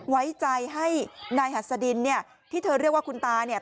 ไว้ใจให้นายหัสดินเนี่ยที่เธอเรียกว่าคุณตาเนี่ย